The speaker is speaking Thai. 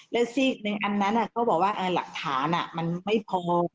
แล้วในอันนั้นเขาบอกว่าหลักฐานมันไม่พอ